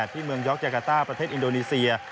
ที่เมืองยอกจากาต้าประเทศอินโดนีเซีย